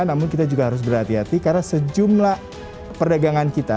namun kita juga harus berhati hati karena sejumlah perdagangan kita